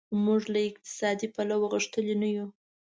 موږ له اقتصادي پلوه غښتلي نه یو.